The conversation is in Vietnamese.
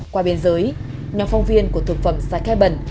qua biên giới nhóm phong viên của thực phẩm sakai bần